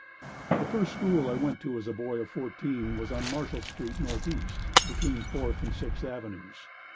The first school I went to as a boy of fourteen, was on Marshall Street Northeast, between Fourth and Sixth Avenues.